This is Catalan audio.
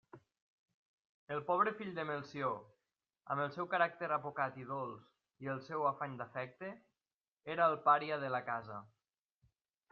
El pobre fill de Melcior, amb el seu caràcter apocat i dolç i el seu afany d'afecte, era el pària de la casa.